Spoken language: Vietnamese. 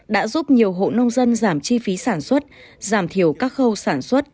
đã giúp nhiều hộ nông dân giảm chi phí sản xuất giảm thiểu các khâu sản xuất